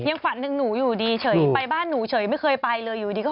ฝันถึงหนูอยู่ดีเฉยไปบ้านหนูเฉยไม่เคยไปเลยอยู่ดีก็